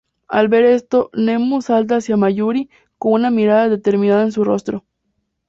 Al ver esto, Nemu salta hacia Mayuri con una mirada determinada en su rostro.